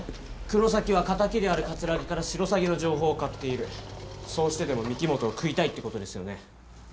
黒崎は仇である桂木からシロサギの情報を買っているそうしてでも御木本を喰いたいってことですよね？